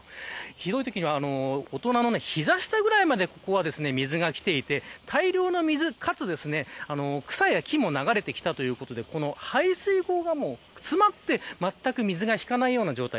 ひどいときには大人の膝下ぐらいまでここは水がきていて、大量の水かつ草や木も流れてきたということで排水口が詰まってまったく水が引かないような状態。